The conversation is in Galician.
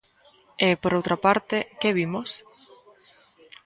E, por outra parte, ¿que vimos?